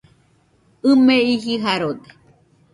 ɨ me iji Jarode